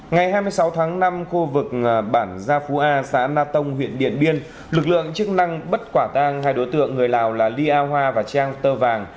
ngày hai mươi sáu tháng năm khu vực bản gia phú a xã na tông huyện điện biên lực lượng chức năng bắt quả tang hai đối tượng người lào là lia hoa và trang tơ vàng